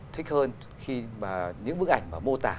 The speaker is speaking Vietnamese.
thích hơn khi mà những bức ảnh mà mô tả